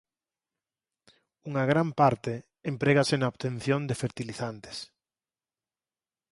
Unha gran parte emprégase na obtención de fertilizantes.